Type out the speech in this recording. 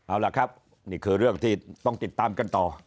เอาล่ะครับนี่คือเรื่องที่ต้องติดตามกันต่อ